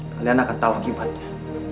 kalian akan tahu akibatnya